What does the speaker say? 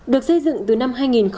được xây dựng từ năm hai nghìn một mươi